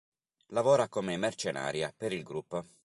Lavora come mercenaria, per il gruppo.